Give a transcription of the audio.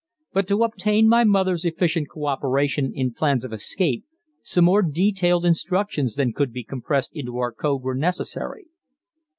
But to obtain my mother's efficient coöperation in plans of escape some more detailed instructions than could be compressed into our code were necessary.